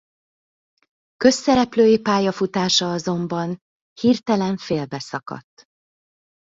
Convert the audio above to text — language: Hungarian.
Közszereplői pályafutása azonban hirtelen félbe szakadt.